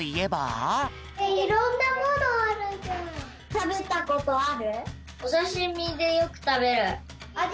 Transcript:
たべたことある？